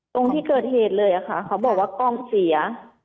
ตรงที่เกิดเหตุเลยค่ะเขาบอกว่ากล้องเสีย